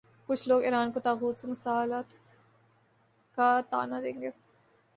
کچھ لوگ ایران کو طاغوت سے مصالحت کا طعنہ دیں گے۔